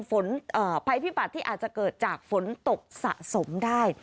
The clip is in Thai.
ภัยพิบัติที่อาจจะเกิดจากฝนตกสะสมได้